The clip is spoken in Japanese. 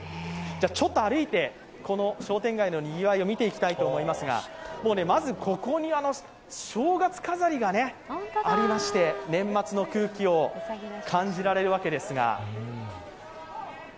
ちょっと歩いて、この商店街のにぎわいを見ていきたいと思いますがまず、ここに正月飾りがありまして年末の空気を感じられるわけですが。